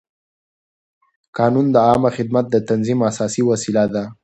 قانون د عامه خدمت د تنظیم اساسي وسیله ده.